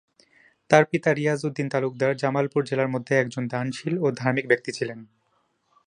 তার পিতা রিয়াজ উদ্দিন তালুকদার জামালপুর জেলার মধ্যে একজন দানশীল ও ধার্মিক ব্যক্তি ছিলেন।